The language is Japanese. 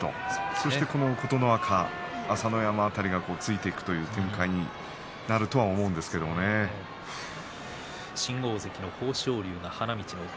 そして琴ノ若、朝乃山辺りがついていくという展開になるとは新大関の豊昇龍が花道の奥。